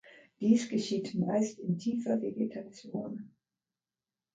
Dies geschieht meist in tiefer Vegetation.